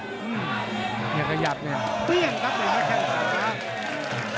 แบบเนี่ยอย่างยากเนี่ยเปรี้ยงครับไว้ข้างผ่านครับ